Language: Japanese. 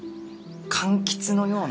柑橘のような。